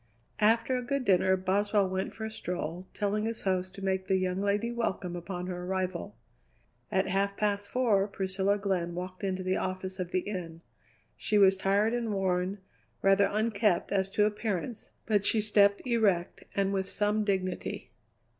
After a good dinner Boswell went for a stroll, telling his host to make the young lady welcome upon her arrival. At half past four Priscilla Glenn walked into the office of the inn. She was tired and worn, rather unkempt as to appearance, but she stepped erect and with some dignity.